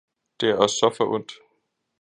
Det er os så forundt.